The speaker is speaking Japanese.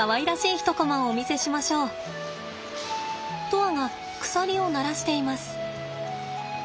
砥愛が鎖を鳴らしています。